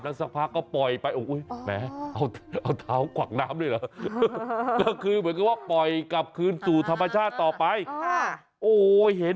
แล้วสักพักเขาปล่อยไปโอ้โฮย